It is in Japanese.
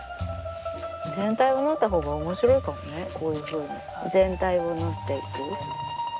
全体を縫ったほうが面白いかもねこういうふうに全体を縫っていく。